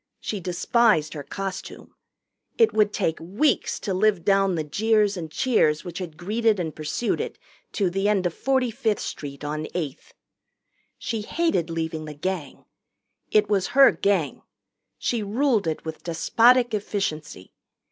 She despised her costume. It would take weeks to live down the jeers and cheers which had greeted and pursued it to the end of 45th Street on Eighth. She hated leaving the Gang. It was her Gang. She ruled it with despotic efficiency.